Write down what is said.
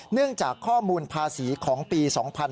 เนื่องจากข้อมูลภาษีของปี๒๕๕๙